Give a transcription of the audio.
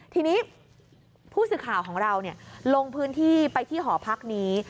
ทีนี้ผู้สื่อข่าวของเราลงพื้นที่ไปที่หอพักนี้